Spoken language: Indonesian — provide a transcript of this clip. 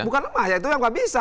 bukan lemah ya itu yang nggak bisa